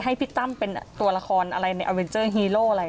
ให้พี่ตั้มเป็นตัวละครอะไรในอเวนเจอร์ฮีโร่อะไร